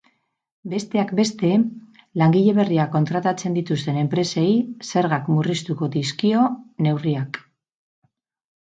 Besteak beste, langile berriak kontratatzen dituzten enpresei zergak murriztuko dizkio neurriak.